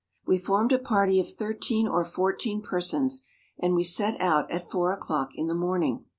We formed a party of thirteen or fourteen per¬ sons, and we set out at four o'clock in the morning.